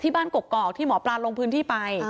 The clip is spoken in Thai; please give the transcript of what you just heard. บ้านกกอกที่หมอปลาลงพื้นที่ไป